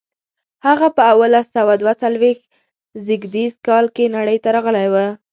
هغه په اوولس سوه دوه څلویښت زېږدیز کال کې نړۍ ته راغلی و.